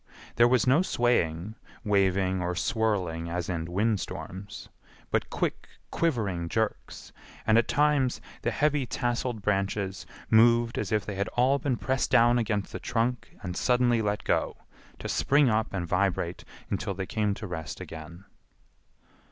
There was no swaying, waving or swirling as in wind storms, but quick, quivering jerks, and at times the heavy tasseled branches moved as if they had all been pressed down against the trunk and suddenly let go, to spring up and vibrate until they came to rest again.